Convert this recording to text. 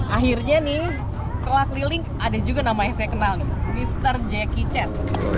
akhirnya nih setelah keliling ada juga namanya saya kenal nih mr jackie chan